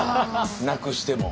なくしても。